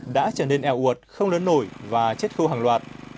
đã trở nên eo uột không lớn nổi và chết khô hàng loạt